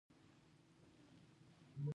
ښایي ډېر دوام هم ونه کړي.